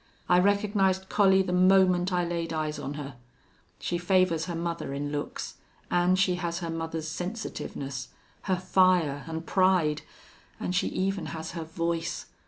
I recognized Collie the moment I laid eyes on her. She favors her mother in looks, an' she has her mother's sensitiveness, her fire an' pride, an' she even has her voice.